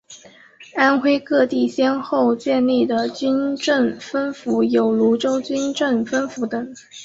安徽各地先后建立的军政分府有庐州军政分府等。